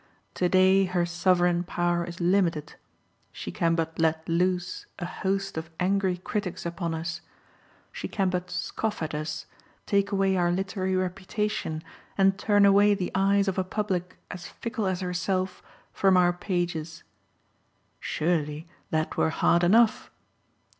To day her sovereign power is limited: she can but let loose a host of angry critics upon us; she can but scoff at us, take away our literary reputation, and turn away the eyes of a public as fickle as herself from our pages. Surely that were hard enough!